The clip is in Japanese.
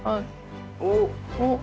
おっ！